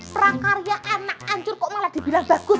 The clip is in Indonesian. prakarya anak hancur kok malah dibilang bagus